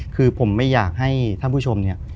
คือผมไม่อยากให้ท่านผู้ชม